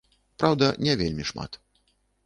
Праўда, не вельмі шмат.